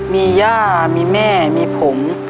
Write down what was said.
มีย่ามีแม่มีผม